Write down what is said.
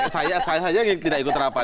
saya saja tidak ikut rapat